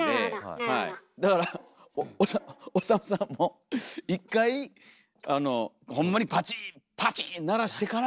だから理さんも１回ホンマにパチンパチン鳴らしてから。